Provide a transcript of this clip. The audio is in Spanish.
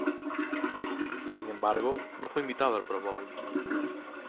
Sin embargo, no fue invitado al Pro Bowl.